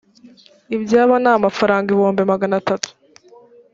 ibyabo ni amafaranga ibihumbi magana tatu.